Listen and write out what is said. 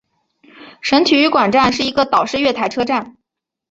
省体育馆站是一个岛式月台车站。